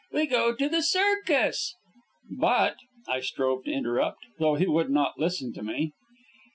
We go to the circus " "But " I strove to interrupt, though he would not listen to me.